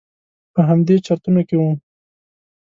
په همدې چرتونو کې وم.